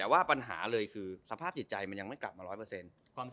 แต่ว่าปัญหาเลยคือสภาพจิตใจมันยังไม่กลับมาร้อยเปอร์เซ็นต์